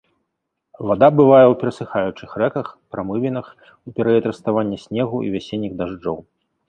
Вада бывае ў перасыхаючых рэках, прамывінах у перыяд раставання снегу і вясенніх дажджоў.